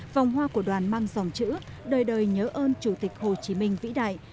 vòng hoa của đoàn mang dòng chữ đời đời nhớ ơn chủ tịch hồ chí minh vĩ đại